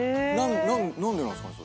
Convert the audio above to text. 何でなんすかね？